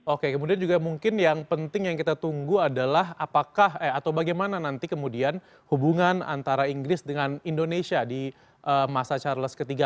oke kemudian juga mungkin yang penting yang kita tunggu adalah apakah atau bagaimana nanti kemudian hubungan antara inggris dengan indonesia di masa charles iii